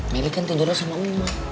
melly kan tidurnya sama umar